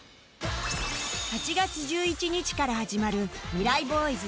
８月１１日から始まるミライ Ｂｏｙｓ